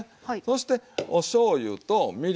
そしておしょうゆとみりん。